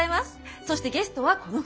そしてゲストはこの方。